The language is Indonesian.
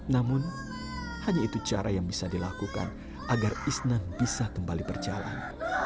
namun hanya itu cara yang bisa dilakukan agar isnan bisa kembali berjalan